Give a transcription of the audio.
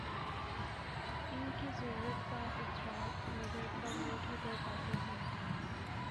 ان کی ضرورت کا ادراک مگر کم لوگ ہی کر پاتے ہیں۔